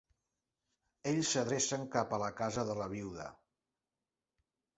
Ells s'adrecen cap a la casa de la viuda.